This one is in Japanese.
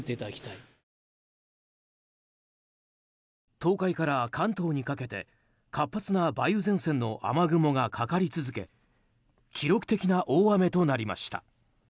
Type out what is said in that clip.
東海から関東にかけて活発な梅雨前線の雨雲がかかり続け記録的な大雨となりました。